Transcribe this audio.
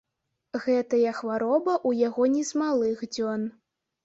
Гэтая хвароба ў яго не з малых дзён.